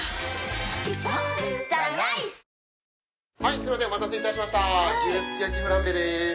すいませんお待たせいたしました牛すき焼フランベです。